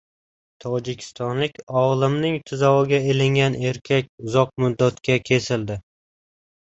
Tojikistonlik «Olim»ning tuzog‘iga ilingan erkak uzoq muddatga "kesildi"